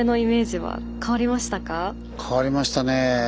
変わりましたね。